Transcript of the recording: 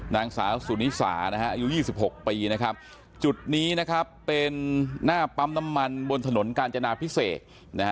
นางสาวสุนิสาอายุ๒๖ปีจุดนี้เป็นหน้าปั๊มน้ำมันบนถนนกาญจนาพิเศษ